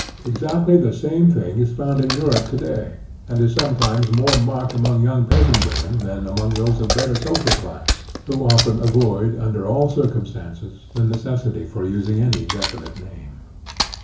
31); exactly the same thing is found in Europe, to day, and is sometimes more marked among young peasant women than among those of better social class, who often avoid, under all circumstances, the necessity for using any definite name.